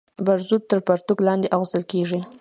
برزو تر پرتوګ لاندي اغوستل کيږي.